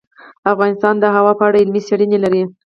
افغانستان د هوا په اړه علمي څېړنې لري.